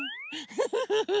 フフフフ。